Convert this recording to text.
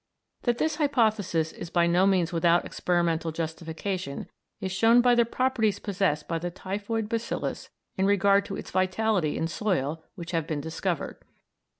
That this hypothesis is by no means without experimental justification is shown by the properties possessed by the typhoid bacillus in regard to its vitality in soil which have been discovered.